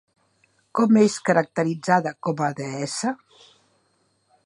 Com és caracteritzada com a deessa?